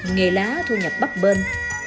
nghề lá thu nhập bắp bên